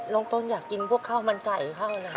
น้องต้นอยากกินพวกข้าวมันไก่ข้าวเลยค่ะ